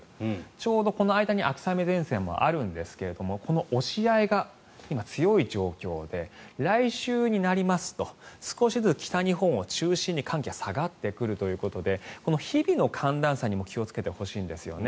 ちょうどこの間に秋雨前線もあるんですけれどもこの押し合いが今強い状況で来週になりますと少しずつ北日本を中心に寒気は下がってくるということで日々の寒暖差にも気をつけてほしいんですよね。